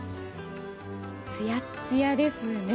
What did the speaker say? つやつやですね。